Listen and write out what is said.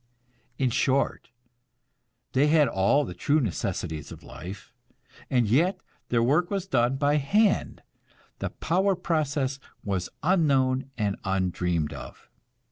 In short, they had all the true necessities of life; and yet their work was done by hand, the power process was unknown and undreamed of.